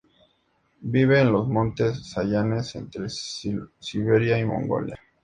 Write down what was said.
Vive en los montes Sayanes entre Siberia y Mongolia.